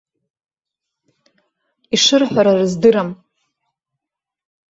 Ишырҳәара рыздырам.